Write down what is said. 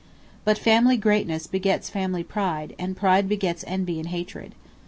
But family greatness begets family pride, and pride begets envy and hatred.